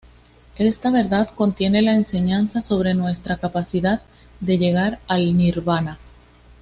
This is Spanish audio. Esta verdad contiene la enseñanza sobre nuestra capacidad de llegar al Nirvana.